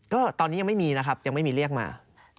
ก็ตอนนี้ยังไม่มีนะครับยังไม่มีเรียกมา